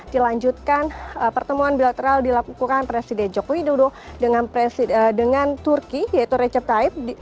dilanjutkan pertemuan bilateral dilakukan presiden joe kido dengan turki yaitu recep tayyip